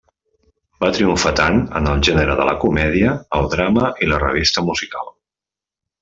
Va triomfar tant en el gènere de la comèdia, el drama i la revista musical.